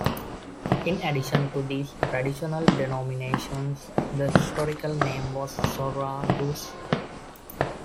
In addition to these "traditional" denominations the "historical" name was "Soraluze".